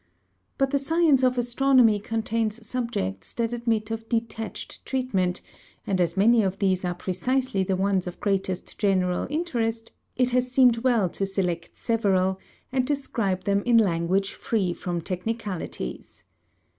But the science of astronomy contains subjects that admit of detached treatment; and as many of these are precisely the ones of greatest general interest, it has seemed well to select several, and describe them in language free from technicalities.